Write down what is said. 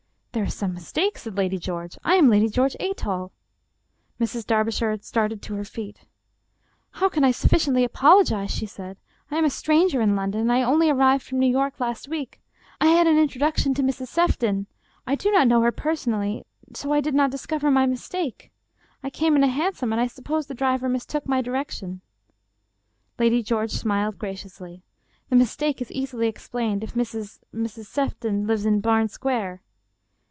" There is some mistake," said Lady George. " I am Lady George Athol." Mrs. Darbishire started to her feet. " How can I sufficiently apologize ?" she said. " I am a stranger in London, and I only arrived from New York last week. I had an introduction to Mrs. Sefton. I do not know her personally, so I did not discover my mistake. I came in a hansom, and I suppose the driver mistook my directions." Lady George smiled graciously. " The mistake is easily explained if Mrs. — Mrs. Sefton lives in Barn Square."